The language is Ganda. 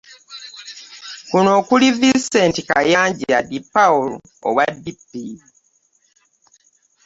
Kuno okuli; Vincent Kayanja Depaul owa DP